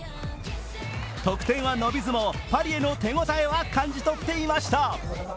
得点は伸びずも、パリへの手応えは感じ取っていました。